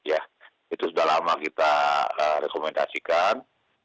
ya itu sudah lama kita rekomendasikan